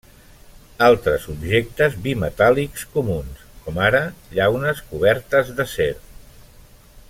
Altres objectes bimetàl·lics comuns, com ara llaunes cobertes d'acer.